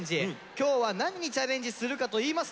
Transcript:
今日は何にチャレンジするかといいますと。